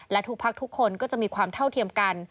และทุกพักทุกคนก็จะมีความเท่าเทียมกัน